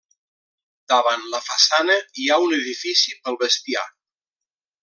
Davant la façana hi ha un edifici pel bestiar.